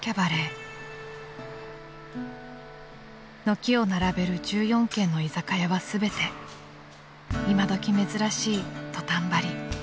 ［軒を並べる１４軒の居酒屋は全て今どき珍しいトタン張り］